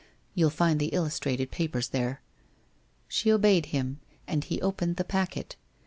You'll find the illustrated papers there.' She obeyed him, and he opened the packet.